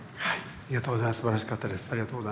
ありがとうございます。